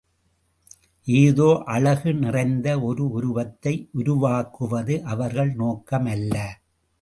ஏதோ அழகு நிறைந்த ஒரு உருவத்தை உருவாக்குவது அவர்கள் நோக்கமல்ல.